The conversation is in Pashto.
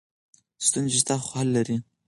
ستونزې شته خو حل لري.